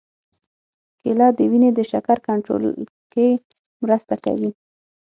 کېله د وینې د شکر کنټرول کې مرسته کوي.